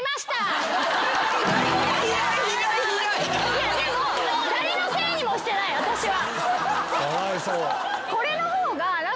いやでも誰のせいにもしてない私は。